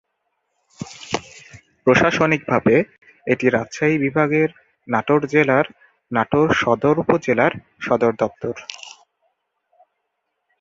প্রশাসনিকভাবে এটি রাজশাহী বিভাগের নাটোর জেলার নাটোর সদর উপজেলার সদর দপ্তর।